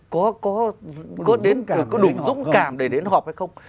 có đủ dũng cảm để đến họp hay không